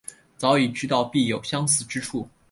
早已知道必有相似之处